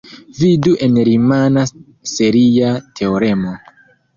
Vidu en "rimana seria teoremo".